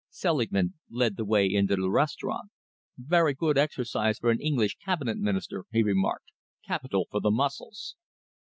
Selingman led the way into the restaurant. "Very good exercise for an English Cabinet Minister," he remarked, "capital for the muscles!"